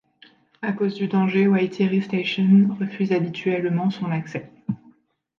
À cause du danger, Waitiri Station refuse habituellement son accès.